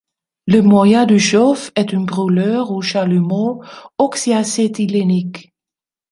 Le moyen de chauffe est un brûleur ou chalumeau oxyacéthylénique.